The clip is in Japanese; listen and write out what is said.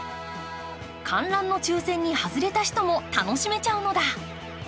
観覧の抽選に外れた人も楽しめちゃうのだ。